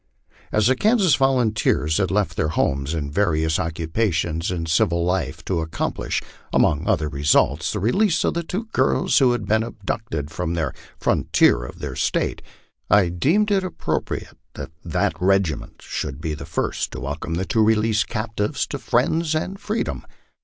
As the Kansas volunteers had left their homes and various occupations in civil life to accomplish, among other results, the release of the two girls who had been abducted from the frontier of their State, I deemed it appropriate that that regiment should be the first to welcome the two released captives to friends and freedom.